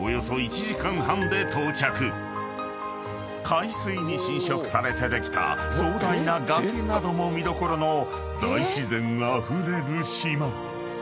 ［海水に浸食されてできた壮大な崖なども見どころの大自然あふれる島］